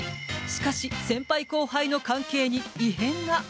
しかし、先輩後輩の関係に異変が。